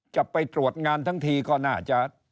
จะไปตรวจงานทั้งทีก็น่าจะ